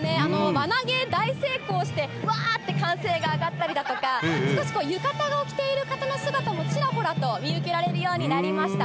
輪投げ大成功して、わーって歓声が上がったりだとか、少し浴衣を着ている方の姿もちらほらと見受けられるようになりました。